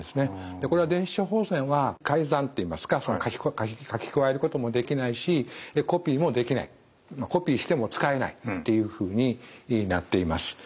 これは電子処方箋は改ざんといいますか書き加えることもできないしコピーもできないコピーしても使えないというふうになっています。